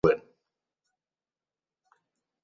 Mikel Laboak bertsio ospetsu bat egin zuen.